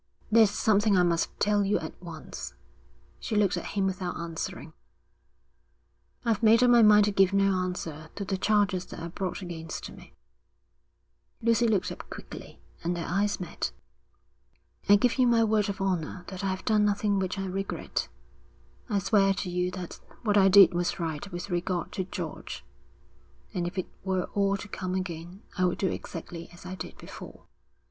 'There's something I must tell you at once.' She looked at him without answering. 'I've made up my mind to give no answer to the charges that are brought against me.' Lucy looked up quickly, and their eyes met. 'I give you my word of honour that I've done nothing which I regret. I swear to you that what I did was right with regard to George, and if it were all to come again I would do exactly as I did before.'